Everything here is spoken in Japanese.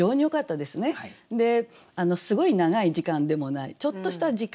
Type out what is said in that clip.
ですごい長い時間でもないちょっとした時間。